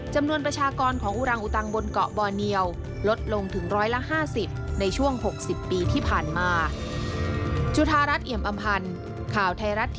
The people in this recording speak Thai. จำนวนประชากรของอุรังอุตังบนเกาะบอเนียวลดลงถึง๑๕๐ในช่วง๖๐ปีที่ผ่านมา